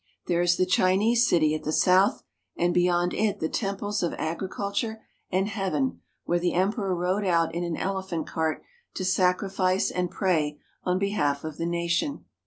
There is the Chinese city at the south, and beyond it the Temples of Agriculture and Heaven, where the Emperor rode out in an elephant cart to sacrifice and pray on behalf of the nation.